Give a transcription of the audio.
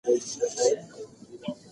که زه واوړم نو ته به ما واورې؟